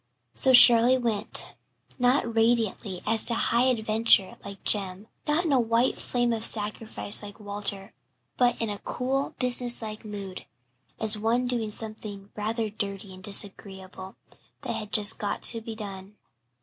So Shirley went not radiantly, as to a high adventure, like Jem, not in a white flame of sacrifice, like Walter, but in a cool, business like mood, as of one doing something, rather dirty and disagreeable, that had just got to be done.